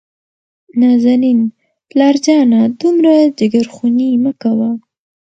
نازنين : پلار جانه دومره جګرخوني مه کوه.